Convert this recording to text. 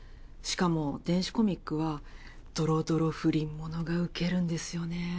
しかも電子コミックはドロドロ不倫ものがウケるんですよね。